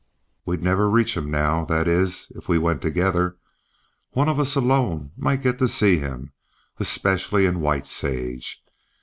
"We'd never reach him now, that is, if we went together. One of us alone might get to see him, especially in White Sage.